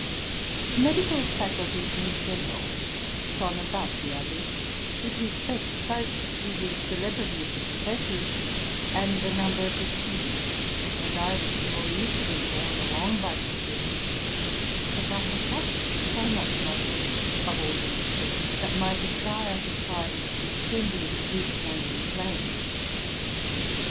The medical faculty in general shone above the others, with respect both to the celebrity of the professors and the number of the students; and I was the more easily borne along by the stream, as I had just so much knowledge of all these things that my desire for science could soon be increased and inflamed.